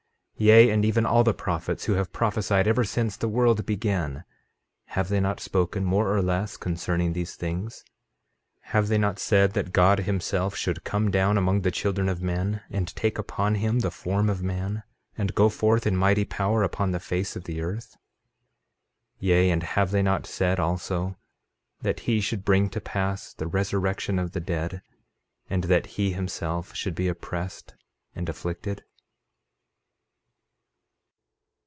Yea, and even all the prophets who have prophesied ever since the world began—have they not spoken more or less concerning these things? 13:34 Have they not said that God himself should come down among the children of men, and take upon him the form of man, and go forth in mighty power upon the face of the earth? 13:35 Yea, and have they not said also that he should bring to pass the resurrection of the dead, and that he, himself, should be oppressed and afflicted?